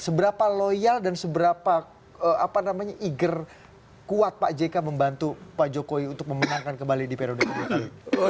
seberapa loyal dan seberapa eager kuat pak jk membantu pak jokowi untuk memenangkan kembali di periode kedua ini